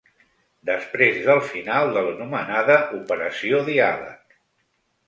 Després del final de l’anomenada ‘operació diàleg’